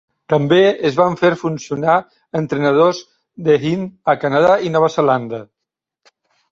També es van fer funcionar entrenadors de Hind a Canadà i Nova Zelanda.